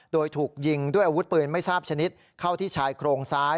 โดยถูกยิงด้วยอาวุธปืนไม่ทราบชนิดเข้าที่ชายโครงซ้าย